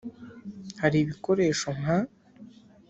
“Hari ibikoresho nka